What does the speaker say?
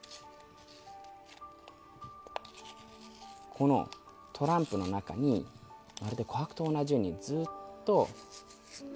このトランプの中にまるで琥珀と同じようにずっと。